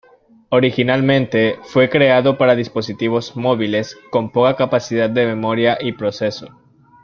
Originalmente fue creado para dispositivos móviles con poca capacidad de memoria y proceso.